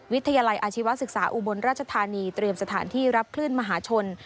วิทยาลัยอาชีวศึกษาอุบลราชธานีเตรียมสถานที่รับคลื่นมหาชน